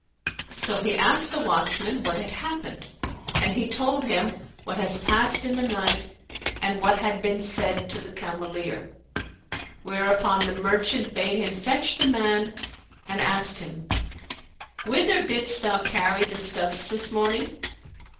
So he asked the watchman what had happened and he told him what has passed in the night and what had been said to the cameleer, whereupon the merchant bade him fetch the man and asked him, "Whither didst thou carry the stuffs this morning?"